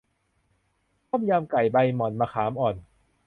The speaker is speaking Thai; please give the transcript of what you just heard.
ต้มยำไก่ใบหม่อนมะขามอ่อน